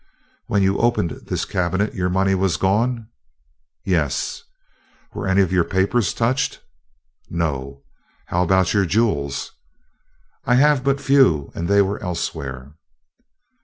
"When you opened this cabinet, your money was gone?" "Yes." "Were any of your papers touched?" "No." "How about your jewels?" "I have but few and they were elsewhere."